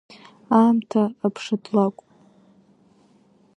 Аамҭа аԥшатлакә…